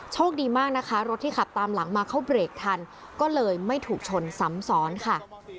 โชคดีมากนะคะรถที่ขับตามหลังมาเขาเบรกทันก็เลยไม่ถูกชนซ้ำซ้อนค่ะ